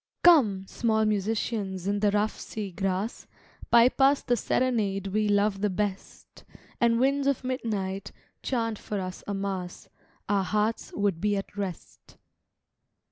Come, small musicians in the rough sea grass, Pipe us the serenade we love the best; And winds of midnight, chant for us a mass, Our hearts would be at rest.